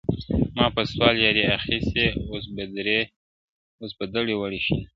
ما په سوال یاري اخیستې اوس به دړي وړي شینه.!